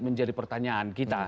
menjadi pertanyaan kita